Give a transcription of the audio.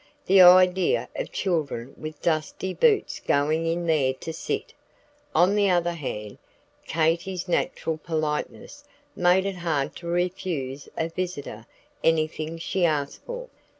The idea of children with dusty boots going in there to sit! On the other hand, Katy's natural politeness made it hard to refuse a visitor anything she asked for.